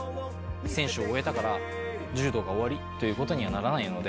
選手を終えたから柔道が終わりということにはならないので